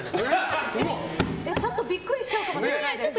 ちょっとビックリしちゃうかもしれないです。